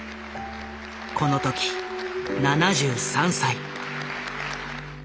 この時７３歳。